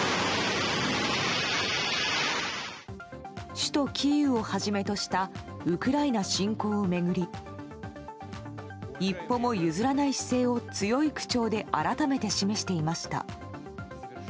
首都キーウをはじめとしたウクライナ侵攻を巡り一歩も譲らない姿勢を強い口調で改めて示していました。